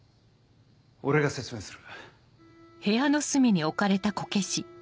俺が説明する。